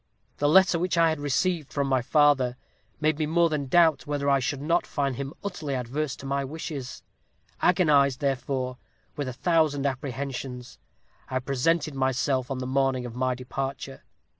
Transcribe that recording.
The letter which I had received from my father made me more than doubt whether I should not find him utterly adverse to my wishes. Agonized, therefore, with a thousand apprehensions, I presented myself on the morning of my departure.